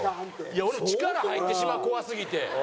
いや俺力入ってしまう怖すぎて。